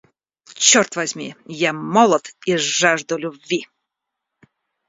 Черт возьми, я молод и жажду любви!